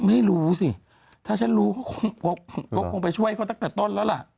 ไม่รู้สิถ้าฉันรู้ก็คงไปช่วยเขาตั้งแต่ต้นแล้วล่ะ